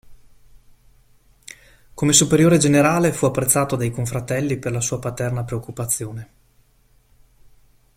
Come superiore generale fu apprezzato dai confratelli per la sua paterna preoccupazione.